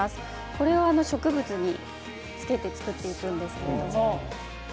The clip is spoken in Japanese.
これを植物につけて作っていくんですけれども。